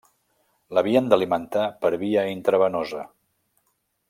L'havien d'alimentar per via intravenosa.